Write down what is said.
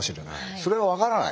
それは分からない。